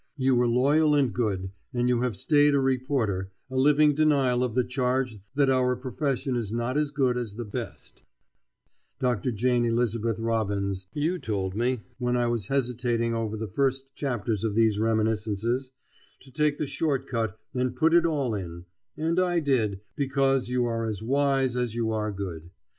You were loyal and good, and you have stayed a reporter, a living denial of the charge that our profession is not as good as the best Dr. Jane Elizabeth Robbins, you told me, when I was hesitating over the first chapters of these reminiscences, to take the short cut and put it all in, and I did, because you are as wise as you are good.